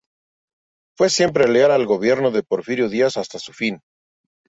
Fue siempre leal al gobierno de Porfirio Díaz hasta su fin.